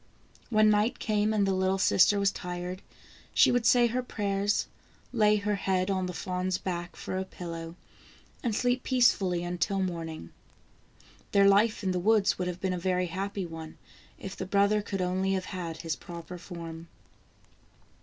When night came, and the little sister was tired, she would say her prayers, lay her head on the fawn's back for a pillow, and sleep peacefully until morning. Their life in the woods would have been a very happy one, if the brother could only have had his proper form.